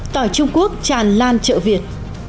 tòa trung quốc tràn lan trợ việt